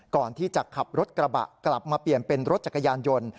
ก่อนที่จะขับรถกระบะกลับมาเปลี่ยนเป็นรถจักรยานยนต์